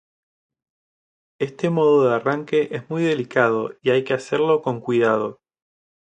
Este modo de arranque es muy delicado y hay que hacerlo con cuidado.